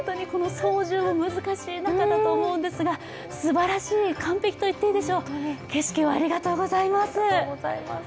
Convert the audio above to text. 操縦も難しい中だと思うんですが、すばらしい、完璧と言っていいでしょう景色をありがとうございます。